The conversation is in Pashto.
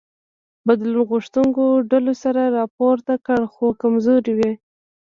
بدلون غوښتونکو ډلو سر راپورته کړ خو کمزوري وې.